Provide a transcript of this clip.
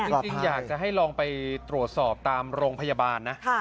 จริงอยากจะให้ลองไปตรวจสอบตามโรงพยาบาลนะ